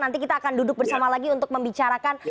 nanti kita akan duduk bersama lagi untuk membicarakan